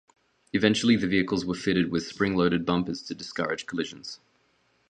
Eventually the vehicles were fitted with spring-loaded bumpers to discourage collisions.